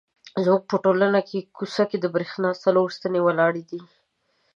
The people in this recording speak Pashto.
زموږ په ټوله کوڅه کې د برېښنا څلور ستنې ولاړې دي.